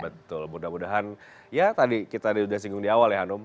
betul mudah mudahan ya tadi kita sudah singgung di awal ya hanum